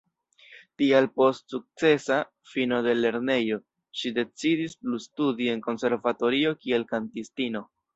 Tial post sukcesa fino de lernejo ŝi decidis plu studi en konservatorio kiel kantistino.